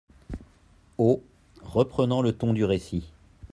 Haut, reprenant le ton du récit.